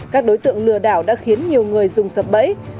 các đối tượng lừa đảo đã khiến nhiều người dùng sập bẫy